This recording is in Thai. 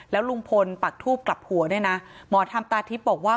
แล้วลุงพลปักทูบกลับหัวด้วยนะหมอธรรมตาทิพย์บอกว่า